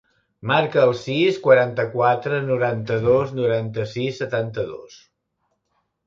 Marca el sis, quaranta-quatre, noranta-dos, noranta-sis, setanta-dos.